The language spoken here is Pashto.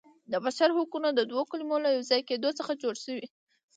د بشر حقونه د دوو کلمو له یو ځای کیدو څخه جوړ شوي.